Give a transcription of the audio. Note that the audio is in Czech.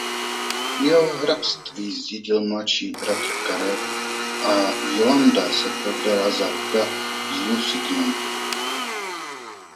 Jeho hrabství zdědil mladší bratr Karel a Jolanda se provdala za Huga z Lusignanu.